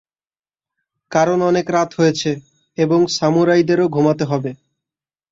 কারণ অনেক রাত হয়েছে, এবং সামুরাইদেরও ঘুমাতে হয়।